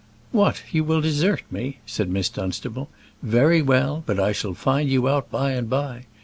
"What, you will desert me," said Miss Dunstable. "Very well; but I shall find you out by and by.